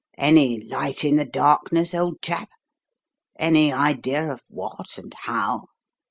Any light in the darkness, old chap? Any idea of what and how?"